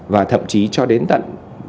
và thậm chí cho đến tận